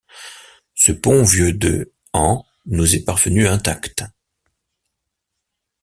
Ce pont, vieux de ans, nous est parvenu intact.